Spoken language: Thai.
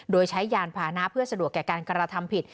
โดยใช้ยานพานะเพื่อสะดวกแก่การกระทำผิด